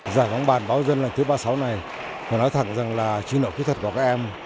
giải bóng bàn báo dân lần thứ ba mươi sáu này tôi nói thật rằng là trí nội kỹ thuật của các em